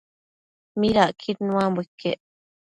midacquid nuambo iquec?